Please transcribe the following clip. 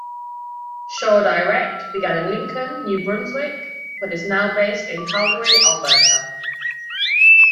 Shaw Direct began in Lincoln, New Brunswick, but is now based in Calgary, Alberta.